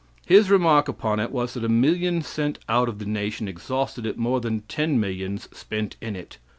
His remark upon it was that a million sent out of the nation exhausted it more than ten millions spent in it.